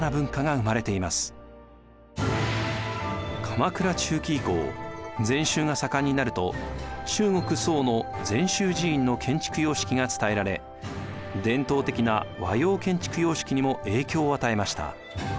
鎌倉中期以降禅宗が盛んになると中国・宋の禅宗寺院の建築様式が伝えられ伝統的な和様建築様式にも影響を与えました。